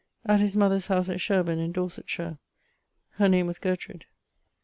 18, 1642) at his mother's house at Shirburne in Dorsetshire; her name was Gertrude.